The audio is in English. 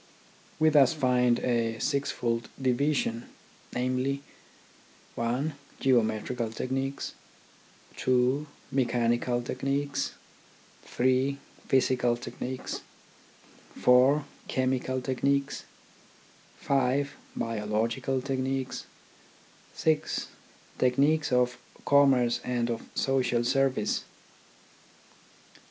We thus find a sixfold division, namely, (1) Geometrical techniques, (2) Mechanical tech niques, (3) Physical techniques, (4) Chemical techniques, (5) Biological techniques, (6) Tech niques of commerce and of social service.